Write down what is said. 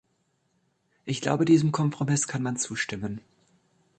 Ich glaube, diesem Kompromiss kann man zustimmen.